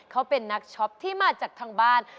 เขาเป็นนักช็อปที่มาจากทางบ้าน